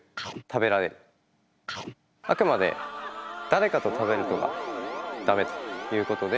あくまで誰かと食べるとが駄目ということで。